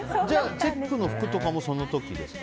チェックの服とかもその時ですか？